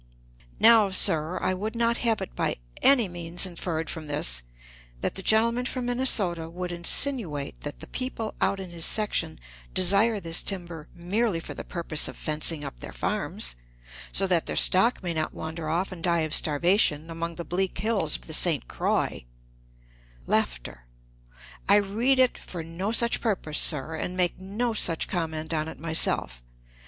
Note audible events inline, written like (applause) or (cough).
Now, sir, I would not have it by any means inferred from this that the gentleman from Minnesota would insinuate that the people out in his section desire this timber merely for the purpose of fencing up their farms, so that their stock may not wander off and die of starvation among the bleak hills of the St. Croix. (laughs) I read it for no such purpose, sir, and make no such comment on it myself.